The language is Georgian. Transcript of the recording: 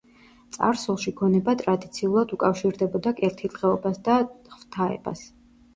წარსულში გონება ტრადიციულად უკავშირდებოდა კეთილდღეობას და ღვთაებას.